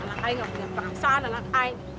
anak ayah gak punya perasaan anak ayah